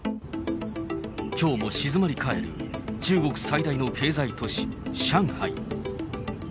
きょうも静まり返る中国最大の経済都市、上海。